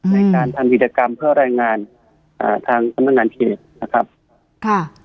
ในการทำกีธกรรมเพื่อรายงานทางคำพันธ์งานเครต